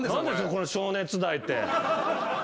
この「小熱題」って。